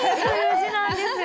「書」なんですよ。